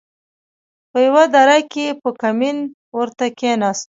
په يوه دره کښې په کمين ورته کښېناستو.